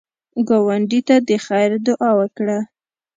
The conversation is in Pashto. ګاونډي ته د خیر دعا وکړه